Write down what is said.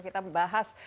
kita membahas tentang ini